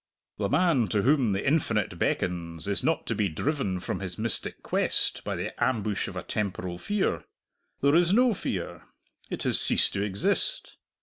The man to whom the infinite beckons is not to be driven from his mystic quest by the ambush of a temporal fear; there is no fear it has ceased to exist.